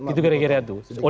itu gara gara itu